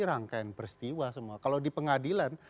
rangkaian peristiwa semua kalau di pengadilan